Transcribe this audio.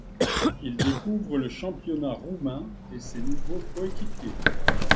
Il découvre le championnat roumain et ses nouveaux coéquipiers.